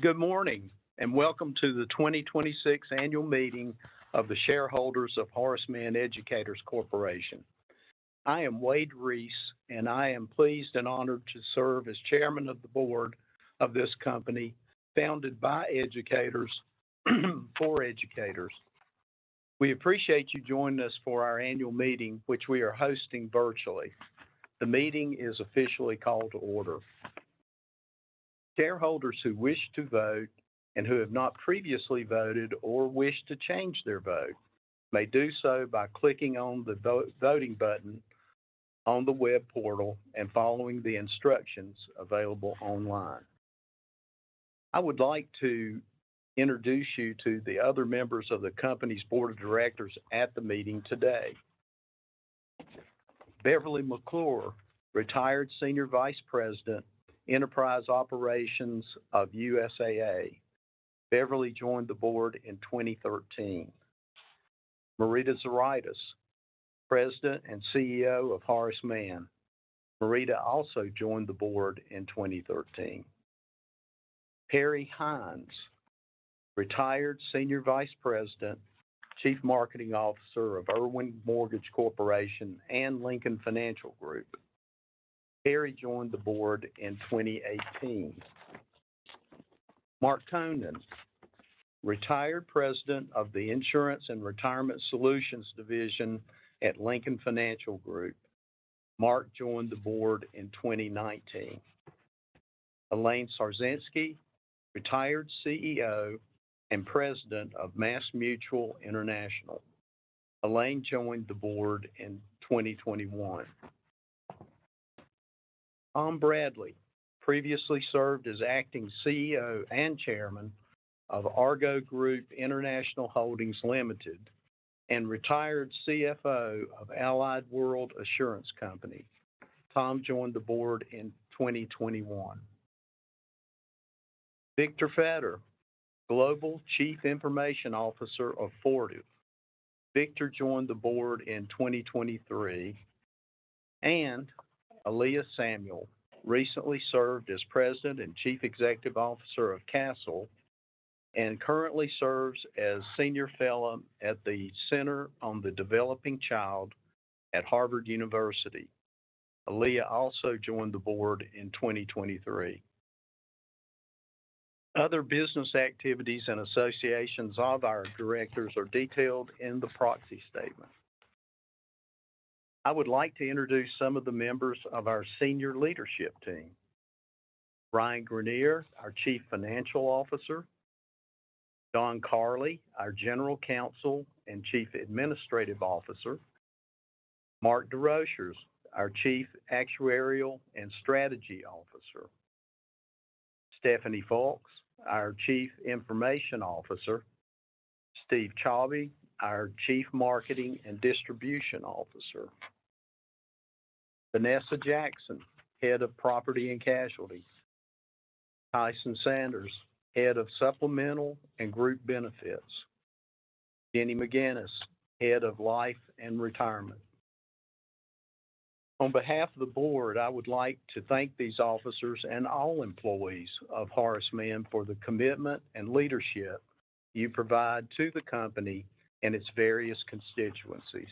Good morning. Welcome to the 2026 annual meeting of the shareholders of Horace Mann Educators Corporation. I am H. Wade Reece, and I am pleased and honored to serve as Chairman of the Board of this company, founded by educators for educators. We appreciate you joining us for our annual meeting, which we are hosting virtually. The meeting is officially called to order. Shareholders who wish to vote and who have not previously voted or wish to change their vote may do so by clicking on the voting button on the web portal and following the instructions available online. I would like to introduce you to the other members of the company's Board of Directors at the meeting today. Beverley J. McClure, retired Senior Vice President, Enterprise Operations of USAA. Beverley joined the Board in 2013. Marita Zuraitis, President and CEO of Horace Mann. Marita also joined the Board in 2013. Perry Hines, retired Senior Vice President, Chief Marketing Officer of Irwin Mortgage Corporation and Lincoln Financial Group. Perry joined the board in 2018. Mark E. Konen, retired President of the Insurance and Retirement Solutions Division at Lincoln Financial Group. Mark joined the board in 2019. Elaine A. Sarsynski, retired CEO and President of MassMutual International. Elaine joined the board in 2021. Thomas A. Bradley previously served as acting CEO and Chairman of Argo Group International Holdings, Limited and retired CFO of Allied World Assurance Company. Thomas joined the board in 2021. Victor P. Fetter, Global Chief Information Officer of Fortive. Victor joined the board in 2023. Aaliyah A. Samuel recently served as President and Chief Executive Officer of CASELand currently serves as Senior Fellow at the Center on the Developing Child at Harvard University. Aaliyah also joined the board in 2023. Other business activities and associations of our directors are detailed in the proxy statement. I would like to introduce some of the members of our senior leadership team. Ryan Greenier, our Chief Financial Officer. Don Carley, our General Counsel and Chief Administrative Officer. Mark Desrochers, our Chief Actuarial and Strategy Officer. Stephanie Fulks, our Chief Information Officer. Steve Chaby, our Chief Marketing and Distribution Officer. Vanessa Jackson, Head of Property and Casualty. Tyson Sanders, Head of Supplemental and Group Benefits. Danny McGinnis, Head of of Life and Retirement. On behalf of the board, I would like to thank these officers and all employees of Horace Mann for the commitment and leadership you provide to the company and its various constituencies.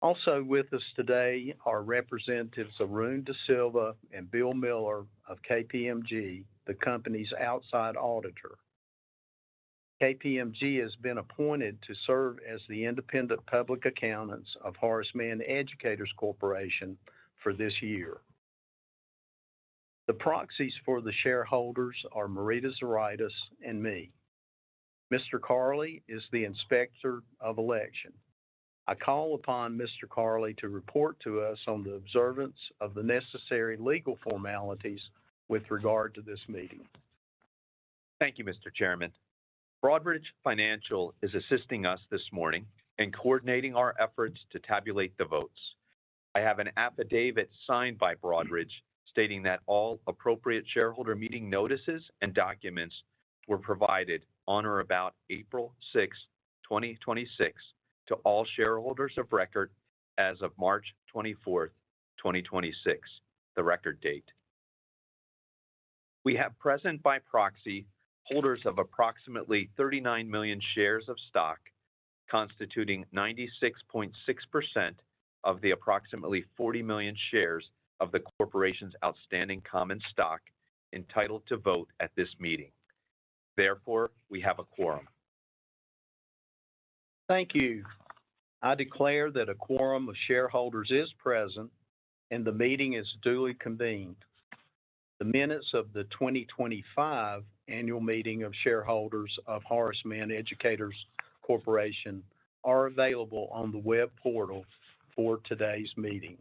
Also with us today are representatives Arun DaSilva and Bill Miller of KPMG, the company's outside auditor. KPMG has been appointed to serve as the independent public accountants of Horace Mann Educators Corporation for this year. The proxies for the shareholders are Marita Zuraitis and me. Mr. Carley is the Inspector of Election. I call upon Mr. Carley to report to us on the observance of the necessary legal formalities with regard to this meeting. Thank you, Mr. Chairman. Broadridge Financial is assisting us this morning in coordinating our efforts to tabulate the votes. I have an affidavit signed by Broadridge stating that all appropriate shareholder meeting notices and documents were provided on or about April 6, 2026, to all shareholders of record as of March 24, 2026, the record date. We have present by proxy holders of approximately 39 million shares of stock, constituting 96.6% of the approximately 40 million shares of the corporation's outstanding common stock entitled to vote at this meeting. Therefore, we have a quorum. Thank you. I declare that a quorum of shareholders is present and the meeting is duly convened. The minutes of the 2025 annual meeting of shareholders of Horace Mann Educators Corporation are available on the web portal for today's meeting.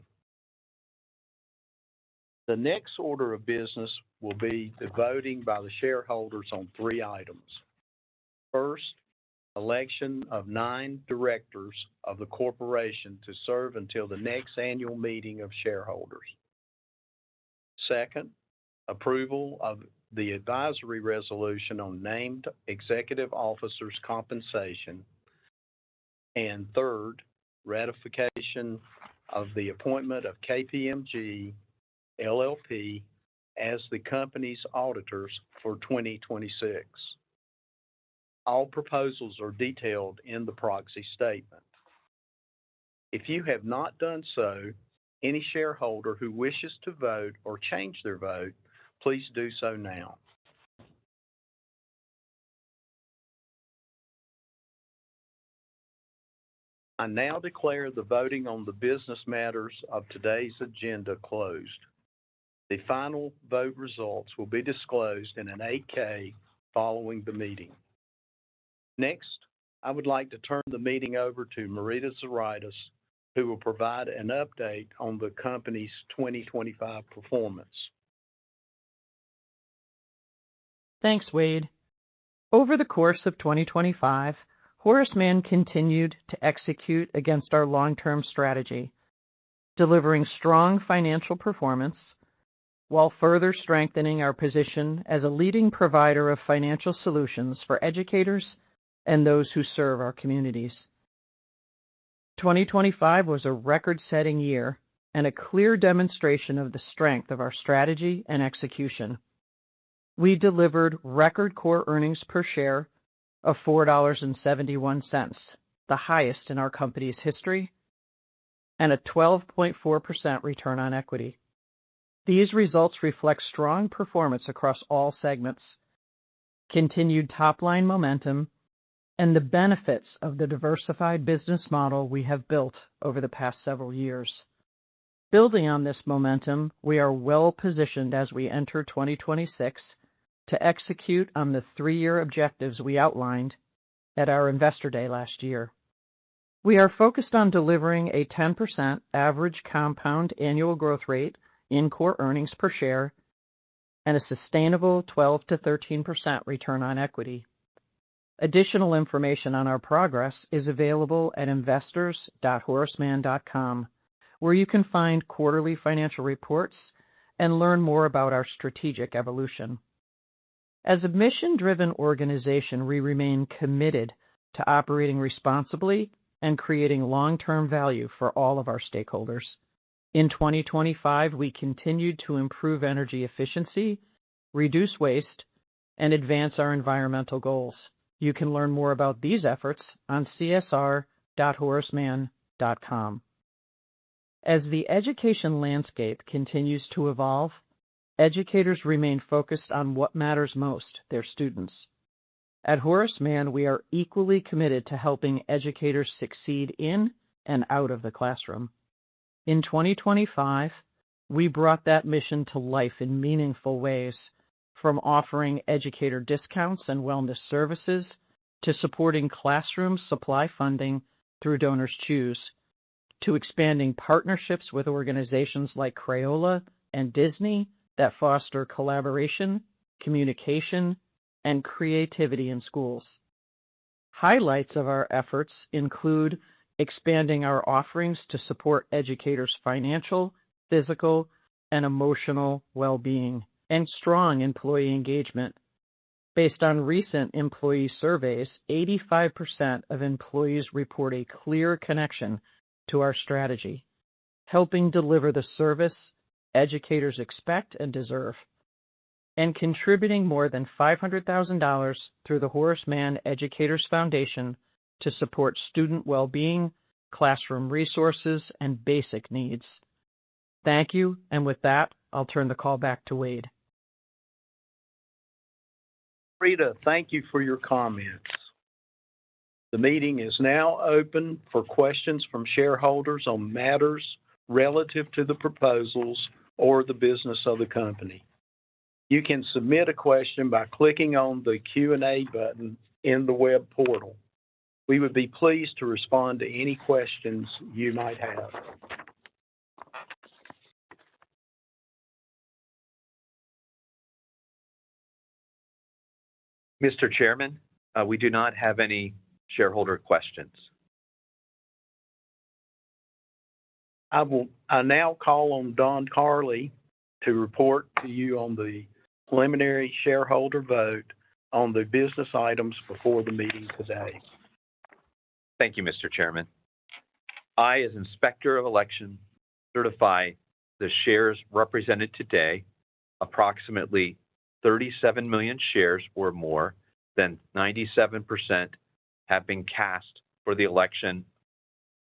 The next order of business will be the voting by the shareholders on three items. First, election of nine directors of the corporation to serve until the next annual meeting of shareholders. Second, approval of the advisory resolution on named executive officers' compensation. Third, ratification of the appointment of KPMG LLP as the company's auditors for 2026. All proposals are detailed in the proxy statement. If you have not done so, any shareholder who wishes to vote or change their vote, please do so now. I now declare the voting on the business matters of today's agenda closed. The final vote results will be disclosed in an 8-K following the meeting. Next, I would like to turn the meeting over to Marita Zuraitis, who will provide an update on the company's 2025 performance. Thanks, Wade. Over the course of 2025, Horace Mann continued to execute against our long-term strategy, delivering strong financial performance while further strengthening our position as a leading provider of financial solutions for educators and those who serve our communities. 2025 was a record-setting year and a clear demonstration of the strength of our strategy and execution. We delivered record core earnings per share of $4.71, the highest in our company's history, and a 12.4% return on equity. These results reflect strong performance across all segments, continued top-line momentum, and the benefits of the diversified business model we have built over the past several years. Building on this momentum, we are well-positioned as we enter 2026 to execute on the three-year objectives we outlined at our Investor Day last year. We are focused on delivering a 10% average compound annual growth rate in core earnings per share and a sustainable 12%-13% return on equity. Additional information on our progress is available at investors.horacemann.com, where you can find quarterly financial reports and learn more about our strategic evolution. As a mission-driven organization, we remain committed to operating responsibly and creating long-term value for all of our stakeholders. In 2025, we continued to improve energy efficiency, reduce waste, and advance our environmental goals. You can learn more about these efforts on csr.horacemann.com. As the education landscape continues to evolve, educators remain focused on what matters most, their students. At Horace Mann, we are equally committed to helping educators succeed in and out of the classroom. In 2025, we brought that mission to life in meaningful ways, from offering educator discounts and wellness services, to supporting classroom supply funding through DonorsChoose, to expanding partnerships with organizations like Crayola and Disney that foster collaboration, communication, and creativity in schools. Highlights of our efforts include expanding our offerings to support educators' financial, physical, and emotional well-being, and strong employee engagement. Based on recent employee surveys, 85% of employees report a clear connection to our strategy, helping deliver the service educators expect and deserve, and contributing more than $500,000 through the Horace Mann Educators Foundation to support student well-being, classroom resources, and basic needs. Thank you. With that, I'll turn the call back to Wade. Marita, thank you for your comments. The meeting is now open for questions from shareholders on matters relative to the proposals or the business of the company. You can submit a question by clicking on the Q&A button in the web portal. We would be pleased to respond to any questions you might have. Mr. Chairman, we do not have any shareholder questions. I now call on Donald M. Carley to report to you on the preliminary shareholder vote on the business items before the meeting today. Thank you, Mr. Chairman. I, as Inspector of Election, certify the shares represented today, approximately 37 million shares or more, than 97%, have been cast for the election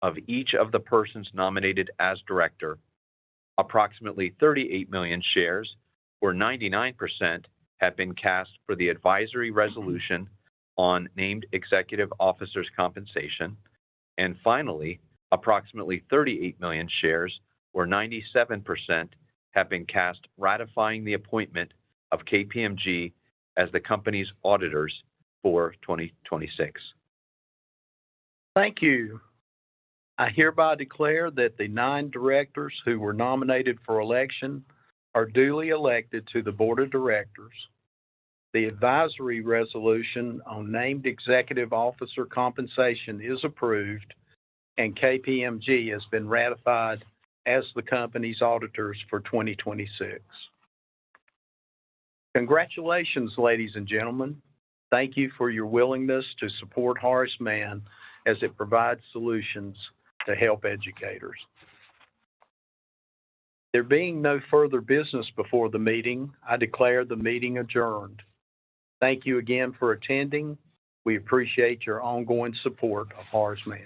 of each of the persons nominated as director. Approximately 38 million shares, or 99%, have been cast for the advisory resolution on named executive officers' compensation. Finally, approximately 38 million shares, or 97%, have been cast ratifying the appointment of KPMG as the company's auditors for 2026. Thank you. I hereby declare that the nine directors who were nominated for election are duly elected to the board of directors. The advisory resolution on named executive officer compensation is approved. KPMG has been ratified as the company's auditors for 2026. Congratulations, ladies and gentlemen. Thank you for your willingness to support Horace Mann as it provides solutions to help educators. There being no further business before the meeting, I declare the meeting adjourned. Thank you again for attending. We appreciate your ongoing support of Horace Mann.